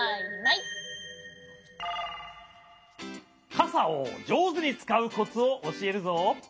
かさをじょうずにつかうコツをおしえるぞ。